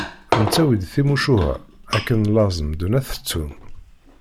Nettawi-d timucuha, akken laẓ medden ad t-ttun.